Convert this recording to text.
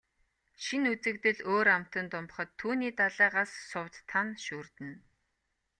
Шинэ үзэгдэл өөр амтанд умбахад түүний далайгаас сувд, тана шүүрдэнэ.